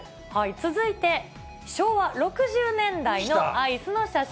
続いて、昭和６０年代のアイスの写真。